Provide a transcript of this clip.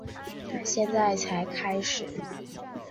现在才开始